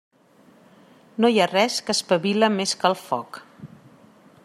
No hi ha res que espavile més que el foc.